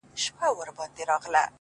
خداى دي كړي خير گراني څه سوي نه وي _